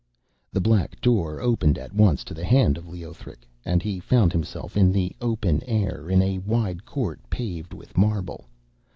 The black door opened at once to the hand of Leothric, and he found himself in the open air in a wide court paved with marble.